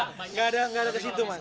gak ada gak ada kesitu mas